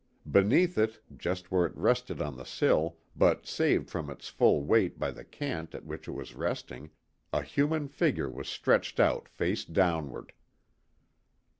Beneath it, just where it rested on the sill, but saved from its full weight by the cant at which it was resting, a human figure was stretched out face downward.